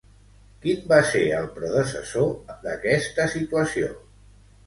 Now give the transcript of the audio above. Quin va ser el predecessor d'aquesta situació?